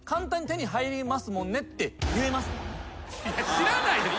知らないです。